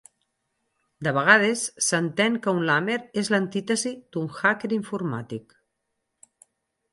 De vegades, s'entén que un lamer és l'antítesi d'un hacker informàtic.